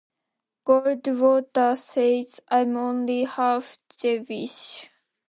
Goldwater says, I'm only half Jewish.